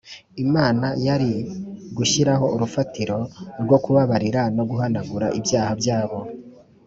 Imana yari gushyiraho urufatiro rwo kubabarira no guhanagura ibyaha byabo